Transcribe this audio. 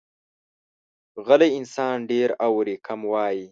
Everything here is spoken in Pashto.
غلی انسان، ډېر اوري، کم وایي.